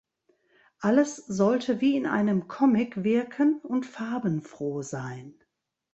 Alles sollte wie in einem Comic wirken und farbenfroh sein.